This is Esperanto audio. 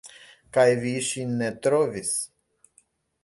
Kaj vi ŝin ne trovis?